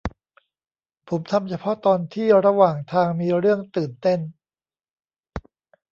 ผมทำเฉพาะตอนที่ระหว่างทางมีเรื่องตื่นเต้น